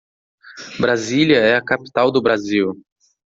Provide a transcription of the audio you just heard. Brasília é a capital do Brasil.